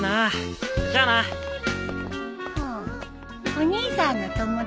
お兄さんの友達？